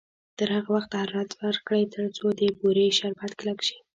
تر هغه وخته حرارت ورکړئ تر څو د بورې شربت کلک شي.